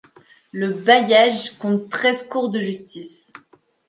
Le bailliage compte treize cours de justice.